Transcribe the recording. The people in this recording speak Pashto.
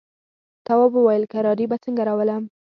تواب وويل: کراري به څنګه راولم.